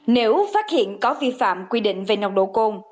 nếu phát hiện có vi phạm quy định về nồng độ cồn